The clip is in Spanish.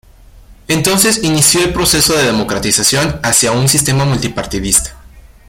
Entonces inició el proceso de democratización hacia un sistema multipartidista.